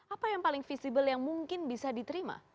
apa yang paling visible yang mungkin bisa diterima